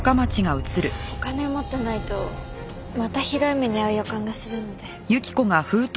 お金を持ってないとまたひどい目に遭う予感がするので。